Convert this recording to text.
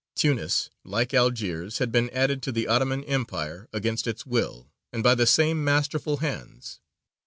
Tunis, like Algiers, had been added to the Ottoman Empire, against its will, and by the same masterful hands.